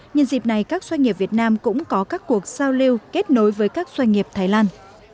nhân dịp này các doanh nghiệp việt nam cũng có các cuộc giao lưu kết nối với các doanh nghiệp thái lan